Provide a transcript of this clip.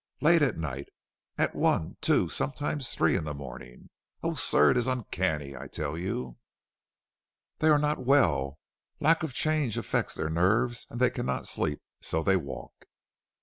"Late at night; at one, two, sometimes three, in the morning? Oh, sir, it is uncanny, I tell you." "They are not well; lack of change affects their nerves and they cannot sleep, so they walk."